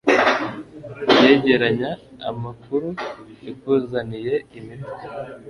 yegeranya amakuru ikuzaniye imitwe